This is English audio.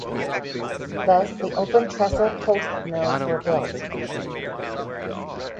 Thus the open trestle post mills were built.